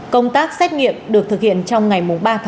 công tác xét nghiệm được thực hiện trong ngày ba bảy